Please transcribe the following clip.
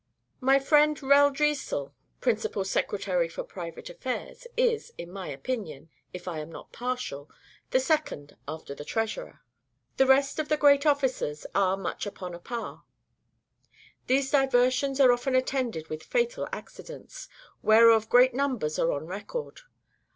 My friend Reldresal, principal secretary for private affairs, is, in my opinion, if I am not partial, the second after the treasurer; the rest of the great officers are much upon a par. These diversions are often attended with fatal accidents, whereof great numbers are on record.